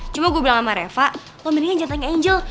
cuma gue bilang sama reva lo mendingan jantanin angel